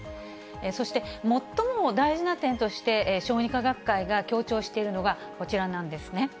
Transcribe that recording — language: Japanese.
そして最も大事な点として、小児科学会が強調しているのがこちらなんですね。